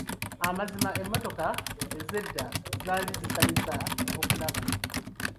Amazima emmotoka ez'edda zaali zisanyusa okulaba.